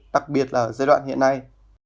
đặc biệt là ở giai đoạn hiện nay